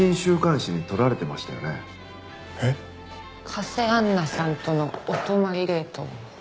加瀬杏奈さんとのお泊まりデート。